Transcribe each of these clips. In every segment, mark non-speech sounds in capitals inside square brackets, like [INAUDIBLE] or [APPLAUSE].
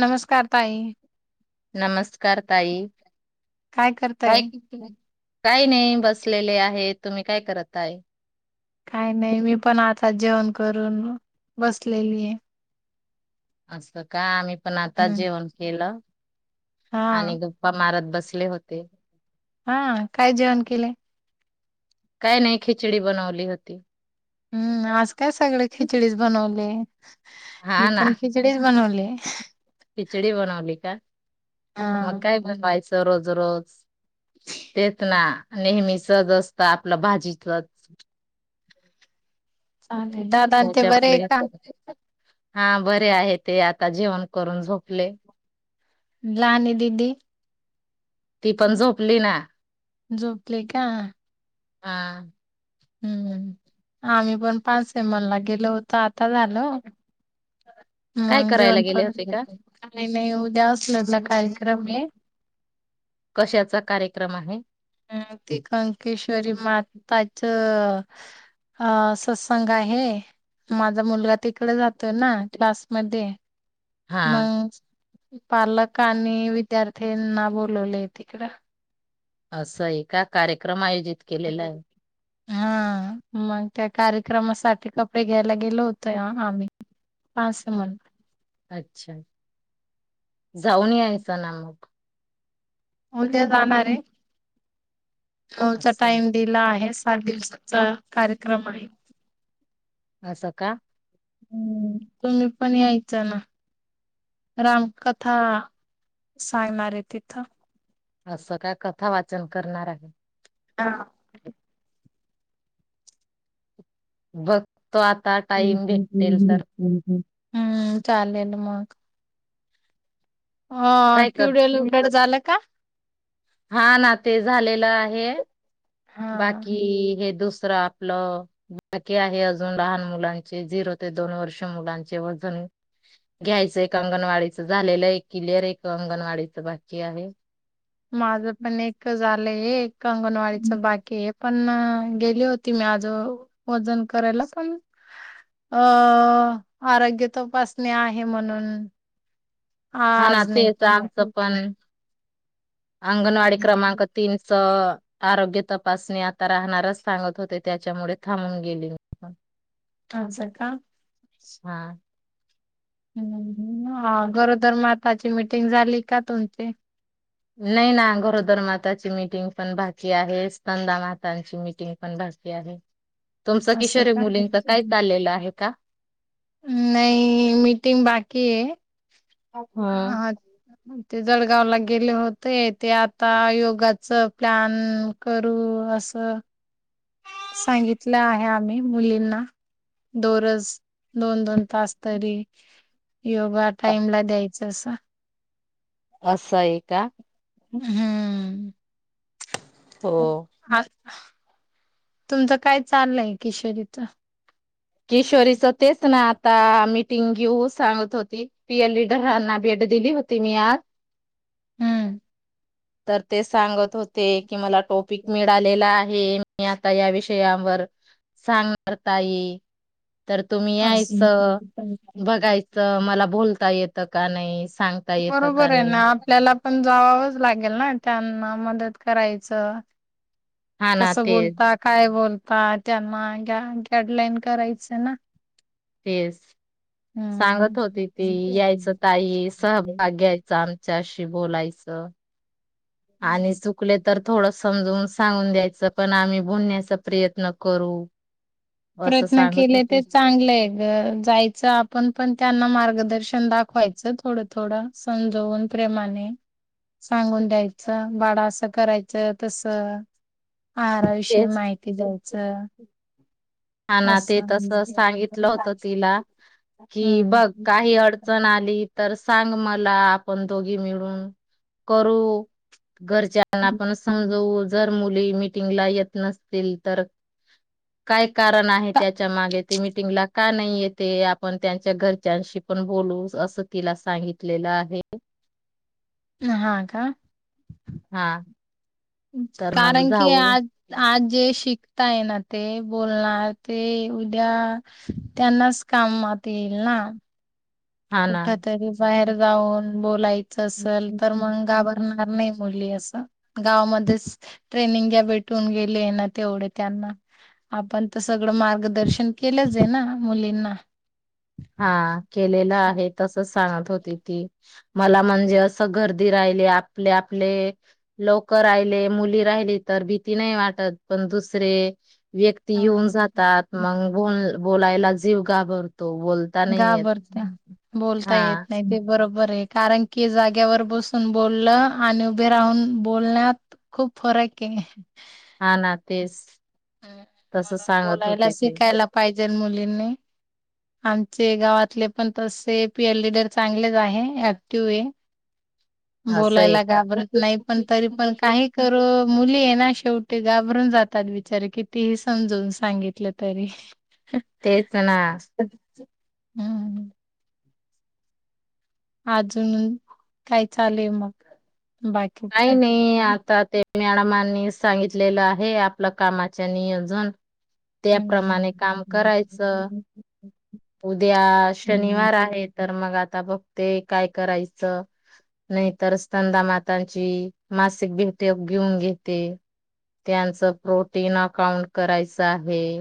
नमस्कार ताई नमस्कार ताई काय करताय? काय नाही बसलेले आहे तुम्ही काय करत आ काय नाही मी पण आताात जेवण करून बसलेली आहे असत का आम्ही पण आता हम्म. जेवण केलं हा आणि गप्पा मारत बसले होते. हा काय जेवण केले काय नाही खिचडी बनवली होती हम्मज त्या सगळ खिचडीच बनवले हा मी ना पण खिचडीच बनवले ह खिचडी बनवली का हा मग काय बनवायचं रोज रोज तेेत ना नेहमी सज असता आपलं भाजीचच दादा ते बर आहे त्याच्यामुळे का हा बरे आहे ते आता जेवण करून झोपले लहानी दीदी ती पण झोपली ना झोपले का हा हम्म आम्ही पण पाच से मनला गेलो होत आता झालं काय मग करायला जेवण गेले होते का? काही नाही उद्या असलला कार्यक्रम आहे कशाचा कार्यक्रम आहे अ ती कंकेश्वरी म त्याच अ सत्संग आहे माझा मुलगा तिकडे जातो ना क्लासमध्येध्ये हा. मग पालक आणि विद्यार्थ्यांना बोलवले तिकडं असं एका कार्यक्रम आयोजित केलेला आहे. हा मग त्या कार्यक्रमासाठी कपडे घ्यायला गेलो होतोय आम्ही पा असं म्हण अच्छा जाऊन यायच ना मग हो उद्या जाणार आहे होचा असं टाइम दिला आहेस पाच दिवसाचा कार्यक्रम आहे. असं का? हम्म तुम्हीपण यायचं ना, रामकथा सांगणार आहे तिथं. असं काय कथा वाचन करणार हाय. हा. बघ [UNINTELLIGIBLE] हम्म चालेल मग. हा काय कर किवडे [UNINTELLIGIBLE] झालंक का? हा ना ते झालेलं आहे. हा बाकी हे दुस रं आपलं बाकी आहे., अजून लहान मुलांचे झिरो ते दोन वर्ष मुलांचे वजन घ्यायचं एक अंगणवाडीचं. झालेलं एक क्लीअर हाय एक अंगणवाडीचं बाकी आहे. माझंपण एक झालंय, ए क अंगणवाडीचं बाकी हाय पण गेली होती मी आज वजन करायला. पण अ आरोग्य तपासणी आहे म्हणून हाना आज नाही तेच केलं आमचंपण अंगनवाडी हं, क्रमांक तीन अ आरोग्य तपासणी आता राहणारच सांगत होते, त्याच्यामुळे थांबून गेली मी. असंय का? हा. हम्म, हा गरोदर माताची मिटिंग झा नाही ना, गरोदर माताची मी टिंगपण बाकी आहे. स्तनदा मातांची मिटिंगपण बाकी आहे. तुमचं असं किशोरीन का मुलींचं काय चाललेलं आहे का? नाही, मीटिंग बाकीये. ह आ ते जळगावला गेले होते. ते आता योगाचं प्लॅन करू असं सांगितलं आहे आम्ही मुलींना. दोरज दोन दोन तास तरी योगा टाइमला द्याय चसा. असं आहे का? हम्म. हो हा तुमचं काय चाललंय किशोरीच? किशोरीच तेचना आता मीटिंग घेऊ, सांगत होती. पीए लिडरांना भेट दिली होती मी आज. हम्म. तर ते सांगत हो ते, की मला टोपिक मिळालेला आहे. मी आता या विषयावर सांगणार त आहे. तर तुम्ही अस यायचं, बघायचं मला बोलता येत इथ का नाहीस? बरोबर आहे ना आपल्याला पण जावावंच लागेल ना! मा मदत करायचं हा ना कस तेच बोलता काय बोलता आता त्यांना गॅ गॅडलाईन करायचं ना? तेच, हम्म सांगत होती ती यायचं ताई सब भाग घ्यायचा आमच्याशी बोलायचं [UNINTELLIGIBLE] आणि सुकलेत तर थोडं समजून सांगून द्यायचं पण आम्ही बोलण्याचा प्रयत्न करू असं प्रयत्न सांगत केले ते होतो चांगलेय गं जायचं आपण पण त्यांना मार्ग दर्शन दाखवायचं थोडं थोडं समजवून प्रेमाने सांगून द्यायचं बाडा असं करायचं तस आहाराविषयी तेच माहिती द्यायचं. हा ना ते असं तस सांगितलं होत तिला कि बघ हम्म काही अडचण आली तर तर सांग मला आपण दोघी मिळून करू घरच्यांना आपण समजवू जर मुली मिटिंगला येत नसतील तर काय कारण आहे का- त्याच्या मागे ते मीटिंगला का नाही येतेय आपण त्यांच्या घरच्यांशी पण बोलू असं तिला सांगितलेलं आहे. हा का हा तर मग कारण की जाऊ आज आज जे शिकताय ना ते बोलणार ते उद्या त्यांनाच कामात येईल ना? हा ना कुठ तरी बाहेर जाऊन बोलाय च आसल तर मग घाबरणार नाही मुली असं गावामध्येच ट्रेनिंग घ्या भेटून गेले ना तेवढे त्यांना आपण तर सगळं मार्गदर्शन केलंच आहे ना मुलींना हा केलेलं आहे तसच सांगत होती ती, मला म्हणजे असं गर्दी राहिली आपले आपले लोकं राहिले मुली राहिली तर भीती नाही वाटत पण दुसरे व्यक्ती हा येऊन जातात मग बोल बोलायला जीव घाबरतो बोलता नाही येत. घाबरत्या बोलता येत हा नाही ते बरोबर बरे हाय कारण की जाग्यावर बसून बोललं आणि उभे राहून बोलण्यात खूप फरक हे.. हा ना तेच तस म्हणून सांगत बोलायला होते ते शिकायला पाहिजेल मुलींनी आमचे गावातले पण तसे पी एल लीडर चांगलेच आहे ऍक्टिव हे. असं आहे बोलायला का? घाबरत नाही पण तरी पण काही करू मुली आहे ना शेवटी घाबरून जातात, बिचारे कितीही समजून सांगितलं तरी. तेच ना. हम्म. अजून काय चालेय मग? बाकीच काय नाही आता ते मॅडमांनी सांगितलेलं आहे, आपलं कामाच्या नियोजून. हम्म त्याप्रमाणे काम करायचं. उद्या शनिवार आहे तर. मग आता बघते काय करायचं? नाहीतर स्तनदा माता त्यांची मासिक भेटे घेऊन घेते. त्यांचं प्रोटीन अकाउंट करायचं आहे.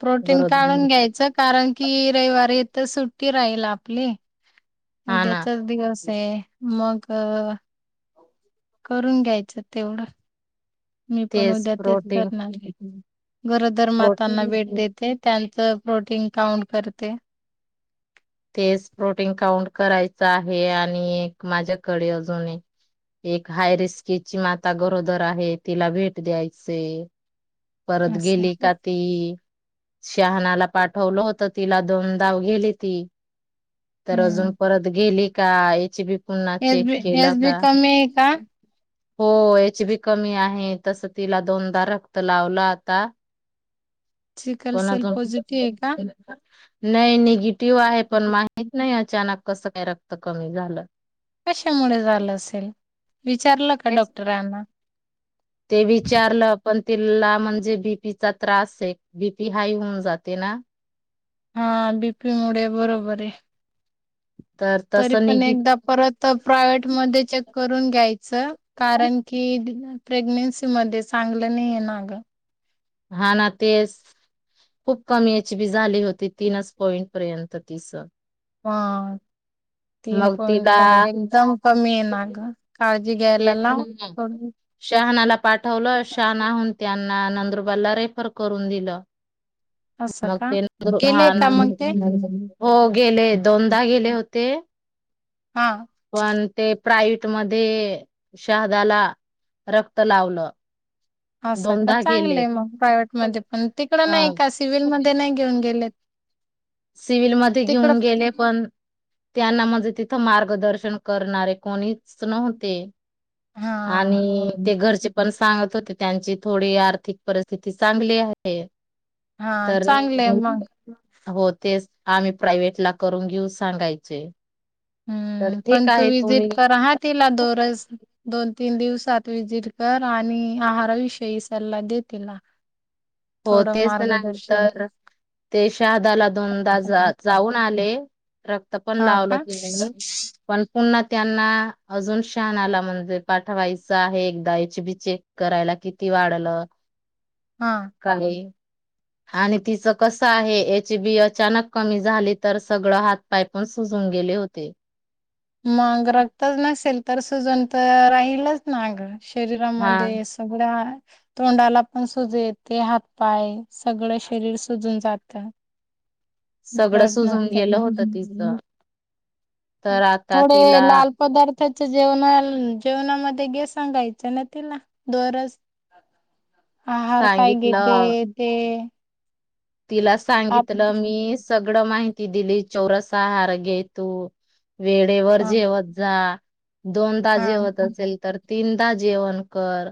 प्रोटीन बरोबर काढून घ्यायचं, कारण की रविवारी तर सुट्टी राहील आपली. हा ना उद्याचाच दिवस. हे मग करून घ्यायचं तेवढं. मी पण उद्या तेच धरणार आहे. गरोदर प्रो मातांना भेट देते त्यां तर प्रोटीन काउंट करते. तेच प्रोटीन काउंट करायचं आहे आणि एक माझ्याकडे अजून एक-एक हायरिस्कीची माता गरोदर आहे तिला भेट द्यायचे. परत असं गेली का ती शहानाला पाठवलं होतं तिला, दोन दाव गेली ती. तर अजून परत गेली का इची बी पुन्हा एच चेक बी केलं एच बी का कमी आहे का? हो एच बी कमी आहे, तस तिला दोनदा रक् त लावलं आता. सिकल सेल कोणाचं? पॉझिटिव्ह आहे का [INAUDIBLE] नाही निगी टिव्ह आहे, पण माहित नाही अ अचानक कसं काय रक्त कमी झालं. कशामुळे झालं असेल? विचारलं का? ते तेच डॉक्टर आहे ना ते विचारलं पण तिला म्हणजे बीपीचा त्रास हाय. बीपी हाय होऊन जाते ना. हां बीपी मुडे बरोबर आहे. तर तरी तसं पण निगी एकदा परत प्रायव्हेट मध्ये चेक करून घ्यायचं, कारण की [UNINTELLIGIBLE] प्रेग्नेन्सी मध्ये चांगलं नाही आहे नाग हा ना ते खूप कमी एच बी झाली होती तीनच पॉइंट पर्यंत तिस हा तीन मग तिला पॉइंट एकदम कमी आहे ना ग का तेच शहानाला पाठवलं शहानाहून त्यांना नंदुरबारला रेफर करून दिलं. असं मग का ते न गेलेय हा का नंद मग ते हो गेले दोनदा गेले होते. हा पण ते प्रायवेट मध्ये शहादाला रक्त लावलं. असं का दोनदा गेले चांगलं मग प्रायव्हेट मध्ये पण तिकडं नाही अ का सिव्हिलमध्येध्ये नाही घेऊन गेलेत. सिव्हलमध्येध्ये तिकडं घेऊन गेले पण त्यांना म्हणजे तिथं मार्गदर्शन करणारे कोणीच नव्हते. हा आणि ते घरचे पण सांगत होते त्यांची थोडी आर्थिक परिस्थिती चांगली आहे. हा चांगले मग होत. तेच आम्ही प्रायवट ला करून घेऊ सांगायचे. तर हम्म ठीक पण तू आहे विजिट तुम्ही कर ह तिला दोरस दोन तीन दिवसात विजिट कर आणि आहाराविषयी सल्ला दे तला हो तेच नाही तर ते शहादाला दोनदा जाऊन आलेक् पण हा लावलं का ते पण पुन्हा त्यांना अजून शहानाला म्हणजे पाठवायचं आहे एकदा एचबी चेक करायला किती वाढलं. हा. काय आणि तिचं कसं आहे एचबी अचानक कमी झाली तर सगळं हातपाय पण सुजून गेले होते. मग रक्तच नसेल तर सुजन तर राहीलच नाग हा शरीरामध्ये सगळ्या तोंडाला पण सुज येते हातपाय सगळं शरीर सुजून जात सगळं सुजून गेलं होत तिचं तर आता तिला थोडे लाल पदार्थच जेवणा जेवणामध्ये गे सांगायचं ना तिला दरज आहार काय सांगितलं घेतेते ते तिला आप सांगितलं मी सगळं माहिती ति दिली चौरसा आहार घेतो वेळेवर हा जेवत जा दोन हा तजे होत असेल तर तिंनदा जेवण कर.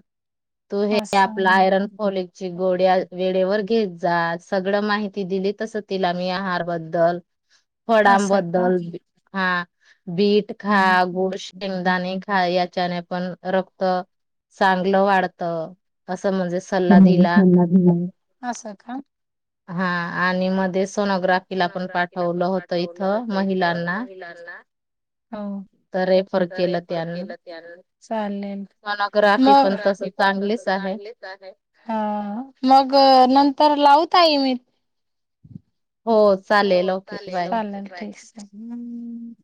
तू हे आपला असं आयरन फॉलिक ची गोळी वेळेवर घे. जा आज सगळं माहिती दिली तस तिला मी आहारबद्दल. फडाम असं का? बद्दल हा बीट हम्म. खा, गोड शेंगदाणे खा, या त्याने पण रक्त चांगलं वाढत. असं म्हणजे सल्ला दिला [UNINTELLIGIBLE] असं का? हा, आणि मध्येच सोनोग्राफीला पण पाठवलं इथं होत इथ महिलांना महिलांना, हा तर रेफर तर रेफर त्यांनी केलं त्यान, चालेल म, सोनोग्राफी पण तस सोनोग्राफी पण तस चांगलीच आहे चांगलीच आहे, मग नंतर लाव टाइम आहे. हो, चालेल, ओके बाय. हम्म